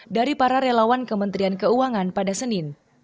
dari para relawan kementerian keuangan pada senin